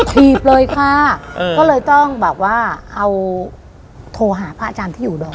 ถีบเลยค่ะก็เลยต้องแบบว่าเอาโทรหาพระอาจารย์ที่อุดร